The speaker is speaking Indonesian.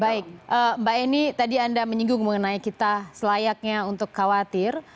baik mbak eni tadi anda menyinggung mengenai kita selayaknya untuk khawatir